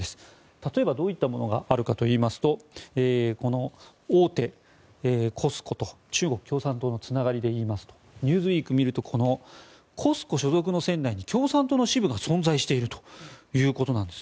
例えばどういったものがあるかといいますとこの大手ＣＯＳＣＯと中国共産党のつながりで言いますと「ニューズウィーク」を見るとこのＣＯＳＣＯ所属の船内に共産党の支部が存在しているということです。